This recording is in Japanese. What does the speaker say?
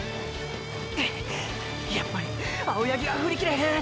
くっやっぱり青八木は振り切れへん。